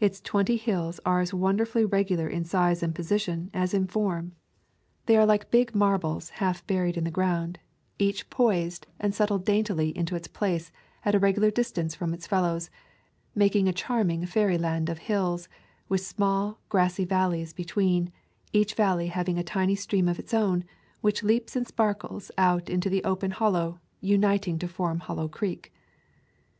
Its twenty hills are as wonder fully regular in size and position as in form. They are like big marbles half buried in the [ 194 ] AMy "AW Aq yoyeys ve wor MOTIOH TTIH ALNAML Twenty Hill Hollow ground, each poised and settled daintily into its place at a regular distance from its fellows, making a charming fairy land of hills, with small, grassy valleys between, each valley hav ing a tiny stream of its own, which leaps and sparkles out into the open hollow, uniting to form Hollow Creek.